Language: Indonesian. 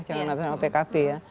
jangan atas nama pkb ya